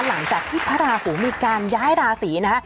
หลังจากที่พระราหูมีการย้ายราศีนะคะ